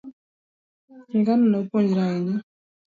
E higano, ne opuonjore ahinya.